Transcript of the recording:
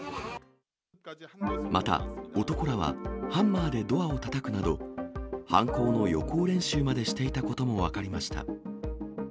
また男らは、ハンマーでドアをたたくなど、犯行の予行演習までしていたことも分かりました。